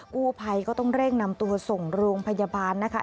กู้ภัยก็ต้องเร่งนำตัวส่งโรงพยาบาลนะคะ